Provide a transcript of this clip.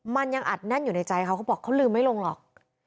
มันยังอัดแน่นอยู่ในใจเขาเขาบอกเขาลืมไม่ลงหรอก